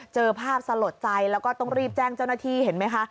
เจอภาพสลดใจแล้วก็ต้องรีบแจ้งเจ้าหน้าที่เห็นไหมคะ